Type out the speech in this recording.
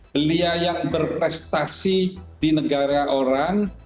beliau yang berprestasi di negara orang